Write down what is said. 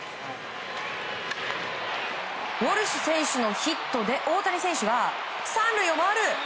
ウォルシュ選手のヒットで大谷選手が３塁を回る。